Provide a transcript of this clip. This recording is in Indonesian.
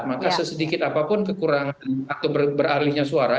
maka sesedikit apapun kekurangan atau beralihnya suara